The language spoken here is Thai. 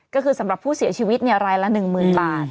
ก็คือสำหรับผู้เสียชีวิตรายละ๑๐๐๐บาท